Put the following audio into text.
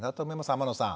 天野さん